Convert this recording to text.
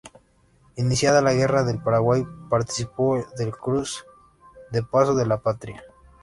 Iniciada la Guerra del Paraguay, participó del cruce de Paso de la Patria.